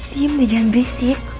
diam deh jangan bisik